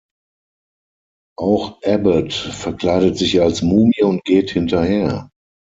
Auch Abbott verkleidet sich als Mumie und geht hinterher.